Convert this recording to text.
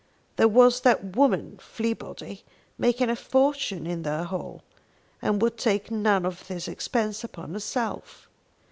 There was that woman Fleabody making a fortune in their hall, and would take none of this expense upon herself.